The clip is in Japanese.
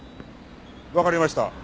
わかりました。